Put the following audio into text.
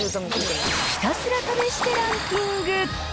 ひたすら試してランキング。